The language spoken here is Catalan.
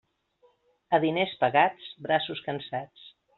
A diners pagats, braços cansats.